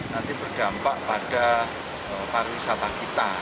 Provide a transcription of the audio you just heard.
nanti berdampak pada pariwisata kita